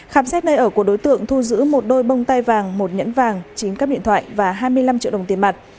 khám xét nơi ở của đối tượng thu giữ một đôi bông tai vàng một nhẫn vàng chín cắp điện thoại và hai mươi năm triệu đồng tiền mặt